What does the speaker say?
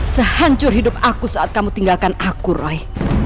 sehancur hidup aku saat kamu tinggalkan aku roy